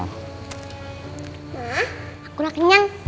nah akulah kenyang